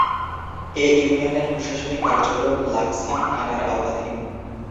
এ ইউনিয়নের প্রশাসনিক কার্যক্রম লাকসাম থানার আওতাধীন।